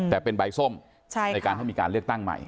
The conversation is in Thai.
แต่เป็นใบส้มในการให้มีการเลือกตั้งใหม่